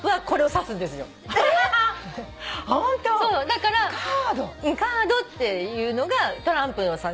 だからカードっていうのがトランプ。